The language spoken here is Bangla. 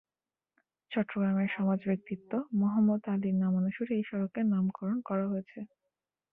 চট্টগ্রামের সমাজ ব্যক্তিত্ব মোহাম্মদ আলীর নামানুসারে এই সড়কের নামকরণ করা হয়েছে।